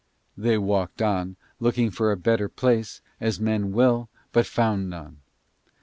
They walked on looking for a better place, as men will, but found none.